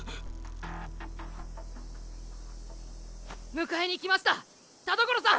迎えに来ました田所さん！